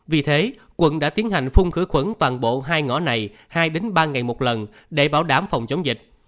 vì thế quận đã tiến hành phun khử khuẩn toàn bộ hai ngõ này hai ba ngày một lần để bảo đảm phòng chống dịch